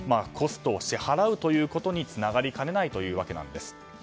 コストを支払うということにつながりかねないわけなんです。